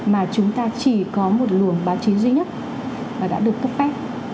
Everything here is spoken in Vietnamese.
mà chúng ta chỉ có một luồng báo chí duy nhất mà đã được cấp phép